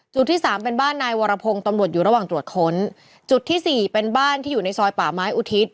ที่สามเป็นบ้านนายวรพงศ์ตำรวจอยู่ระหว่างตรวจค้นจุดที่สี่เป็นบ้านที่อยู่ในซอยป่าไม้อุทิศ